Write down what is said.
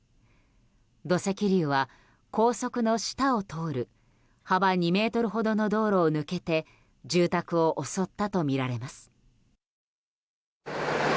土石流は高速の下を通る幅２ｍほどの道路を抜けて住宅を襲ったとみられます。